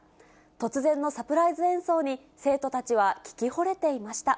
突然のサプライズ演奏に、生徒たちは聞きほれていました。